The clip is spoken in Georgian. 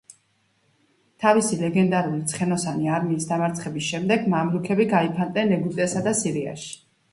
თავისი ლეგენდარული ცხენოსანი არმიის დამარცხების შემდეგ, მამლუქები გაიფანტნენ ეგვიპტესა და სირიაში.